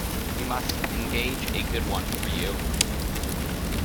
We must engage a good one for you.